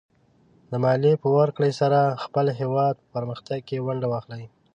د مالیې په ورکړې سره د خپل هېواد په پرمختګ کې ونډه واخلئ.